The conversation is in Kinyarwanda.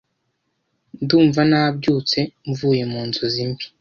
Ndumva nabyutse mvuye mu nzozi mbi